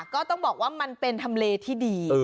ก็ต้องบอกว่ามันเป็นทำเลที่ดี